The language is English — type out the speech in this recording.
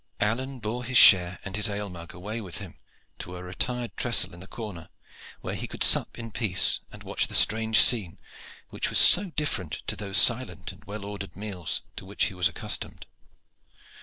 Alleyne bore his share and his ale mug away with him to a retired trestle in the corner, where he could sup in peace and watch the strange scene, which was so different to those silent and well ordered meals to which he was accustomed.